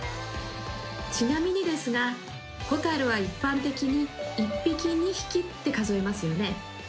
ちなみにですがホタルは一般的に１匹２匹って数えますよね。